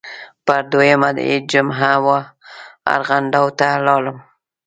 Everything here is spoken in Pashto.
پر دویمه یې جمعه وه ارغنداو ته لاړم.